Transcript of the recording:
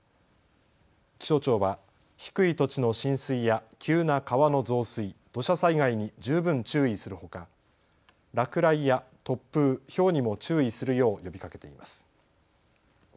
気象庁は低い土地の浸水や急な川の増水、土砂災害に十分注意するほか、落雷や突風、ひょうにも注意するよう呼びかけています。